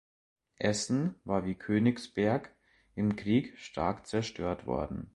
Essen war wie Königsberg im Krieg stark zerstört worden.